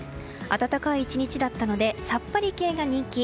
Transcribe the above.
暖かい１日だったのでさっぱり系が人気。